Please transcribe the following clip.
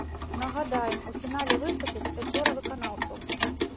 Нагадаем, у фінале выступяць пяцёра выканаўцаў.